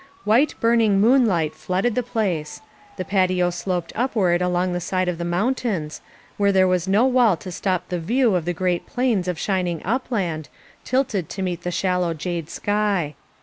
White, burning moonlight flooded the place. The patio sloped upward along the side of the mountain, where there was no wall to stop the view of great planes of shining upland, tilted to meet the shallow jade sky.